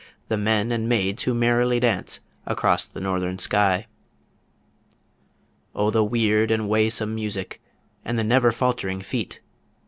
The men and maids who merrily dance across the Northern Sky. O the weird and waesome music, And the never faltering feet!